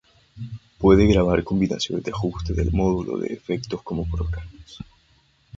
Puede grabar combinaciones de ajustes del módulo de efectos como programas.